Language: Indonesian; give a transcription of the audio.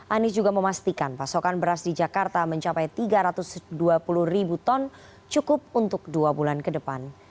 anies juga memastikan pasokan beras di jakarta mencapai tiga ratus dua puluh ribu ton cukup untuk dua bulan ke depan